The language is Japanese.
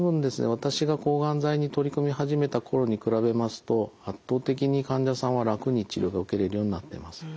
私が抗がん剤に取り組み始めた頃に比べますと圧倒的に患者さんは楽に治療が受けれるようになってます。